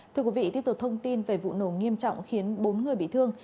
thưa quý vị tiếp tục thông tin về vụ nổ nghiêm trọng khiến bốn người bị thương